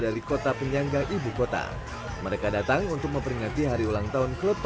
dari kota penyangga ibu kota mereka datang untuk memperingati hari ulang tahun klub